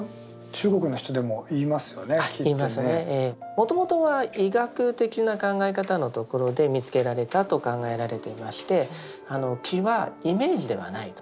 もともとは医学的な考え方のところで見つけられたと考えられていまして気はイメージではないと。